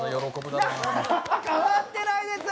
変わってないです！